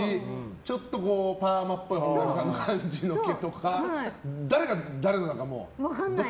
ちょっとパーマっぽいモデルさんの感じの毛とか誰が誰のだか。